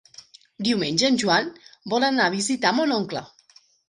Diumenge en Joan vol anar a visitar mon oncle.